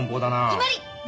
決まり！